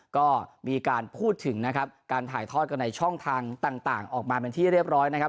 ก็มีการพูดถึงนะครับการถ่ายทอดกันในช่องทางต่างออกมาเป็นที่เรียบร้อยนะครับ